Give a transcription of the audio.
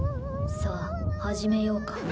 さあ始めようか